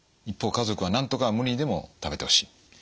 一方家族はなんとか無理にでも食べてほしい。